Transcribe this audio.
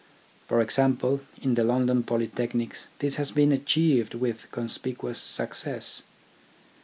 'For example, in the London Polytechnics this has been achieved with conspicuous success.